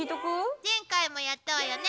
前回もやったわよね。